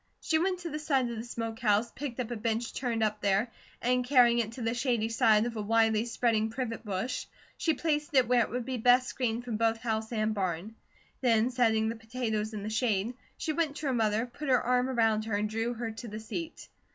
She went to the side of the smoke house, picked up a bench turned up there, and carrying it to the shady side of a widely spreading privet bush, she placed it where it would be best screened from both house and barn. Then setting the potatoes in the shade, she went to her mother, put her arm around her, and drew her to the seat.